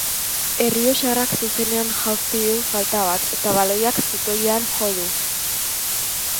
Errioxarrak zuzenean jaurti du falta bat, eta baloiak zutoinean jo du.